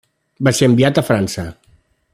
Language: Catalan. Va ser enviat a França.